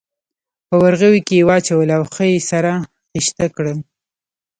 په ورغوي کې یې واچولې او ښه یې سره خیشته کړل.